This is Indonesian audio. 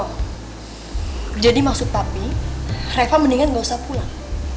oh jadi maksud papi reva mendingan nggak usah pulang